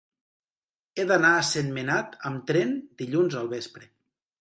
He d'anar a Sentmenat amb tren dilluns al vespre.